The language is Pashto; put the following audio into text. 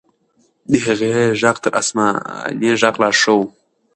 د هغې ږغ تر آسماني ږغ لا ښه و.